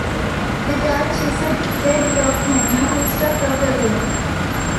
The gulch is a red rock canyon east of Rockerville.